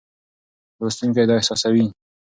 لوستونکی دا احساسوي.